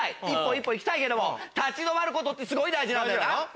一歩一歩行きたいけども立ち止まることってすごい大事なんだよな。